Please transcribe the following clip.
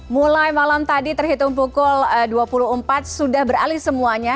mulai malam tadi terhitung pukul dua puluh empat sudah beralih semuanya